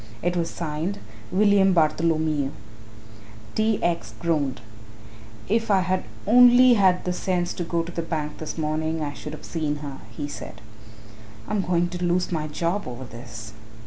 It was signed "William Bartholomew." T. X. groaned. "If I had only had the sense to go to the bank this morning, I should have seen her," he said. "I'm going to lose my job over this."